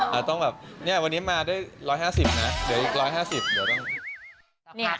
แต่ต้องแบบเนี่ยวันนี้มาได้๑๕๐นะเดี๋ยวอีก๑๕๐